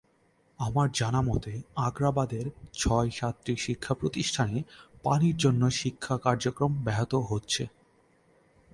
আমার জানামতে, আগ্রাবাদের ছয়-সাতটি শিক্ষাপ্রতিষ্ঠানে পানির জন্য শিক্ষা কার্যক্রম ব্যাহত হচ্ছে।